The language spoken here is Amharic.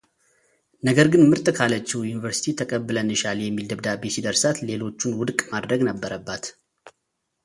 ነገር ግን ምርጥ ካለችው ዩኒቨርስቲ ተቀብለንሻል የሚል ደብዳቤ ሲደርሳት ሌሎቹን ውድቅ ማድረግ ነበረባት።